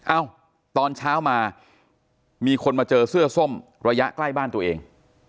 เอ้าตอนเช้ามามีคนมาเจอเสื้อส้มระยะใกล้บ้านตัวเอง